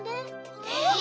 えっ？